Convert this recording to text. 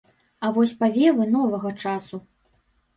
А вось павевы новага часу.